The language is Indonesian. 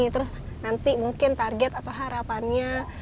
terus nanti mungkin target atau harapannya